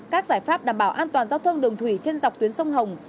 các giải pháp đảm bảo an toàn giao thông đường thủy trên dọc tuyến sông hồng